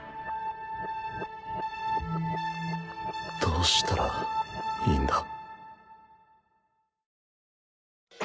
どうしたらいいんだ